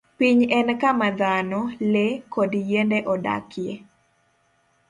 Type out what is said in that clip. Piny en kama dhano, le, kod yiende odakie.